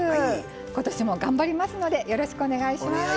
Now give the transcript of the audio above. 今年も頑張りますのでよろしくお願いします。